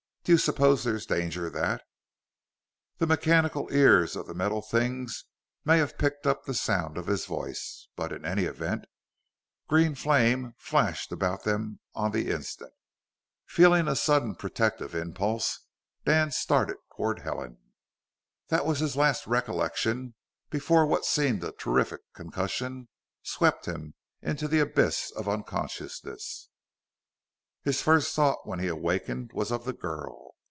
"Do you suppose there's danger that " The mechanical ears of the metal things may have picked up the sound of his voice: but in any event, green flame flashed about them on the instant. Feeling a sudden protective impulse, Dan started toward Helen. That was his last recollection, before what seemed a terrific concussion swept him into the abyss of unconsciousness.... His first thought, when he awakened, was of the girl.